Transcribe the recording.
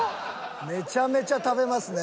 めちゃめちゃ食べますね。